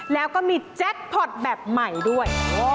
แล้วก็มีแจ็คพอร์ตแบบใหม่ด้วย